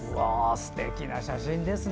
すてきな写真ですね。